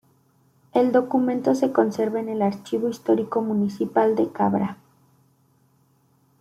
El documento se conserva en el archivo histórico municipal de Cabra.